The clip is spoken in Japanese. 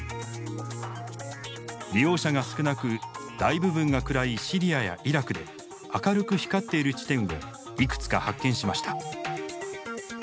利用者が少なく大部分が暗いシリアやイラクで明るく光っている地点をいくつか発見しました。